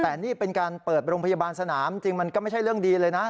แต่นี่เป็นการเปิดโรงพยาบาลสนามจริงมันก็ไม่ใช่เรื่องดีเลยนะ